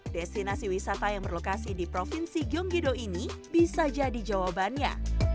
destinasi wisata yang berlokasi di provinsi gyeonggido ini bisa jadi jawabannya